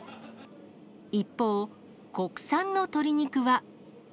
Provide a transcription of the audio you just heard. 一方、国産の鶏肉は。